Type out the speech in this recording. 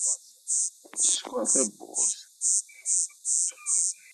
Skeṛ tawwurt!